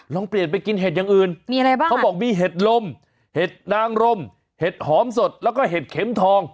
ลองเปลี่ยนไปกินเห็ดอย่างอื่นมีอะไรบ้างเขาบอกมีเห็ดลมเห็ดนางรมเห็ดหอมสดแล้วก็เห็ดเข็มทอง